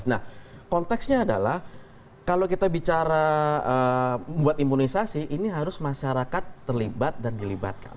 nah konteksnya adalah kalau kita bicara buat imunisasi ini harus masyarakat terlibat dan dilibatkan